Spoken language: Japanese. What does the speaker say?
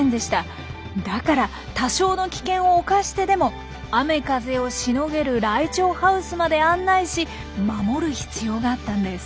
だから多少の危険を冒してでも雨風をしのげるライチョウハウスまで案内し守る必要があったんです。